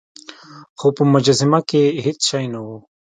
خو په مجسمه کې هیڅ شی نه و.